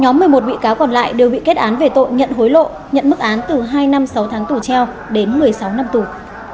nhóm một mươi một bị cáo còn lại đều bị kết án về tội nhận hối lộ nhận mức án từ hai năm sáu tháng tù treo đến một mươi sáu năm tù